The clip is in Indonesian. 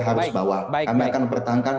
harus bawah kami akan mempertahankan